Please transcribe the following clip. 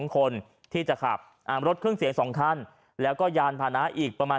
๒คนที่จะขับรถเครื่องเสียง๒คันแล้วก็ยานพานะอีกประมาณ